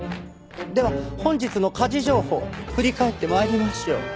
では本日の家事情報振り返って参りましょう。